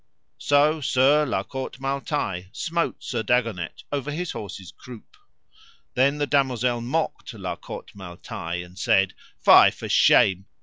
So Sir La Cote Male Taile smote Sir Dagonet over his horse's croup. Then the damosel mocked La Cote Male Taile, and said: Fie for shame!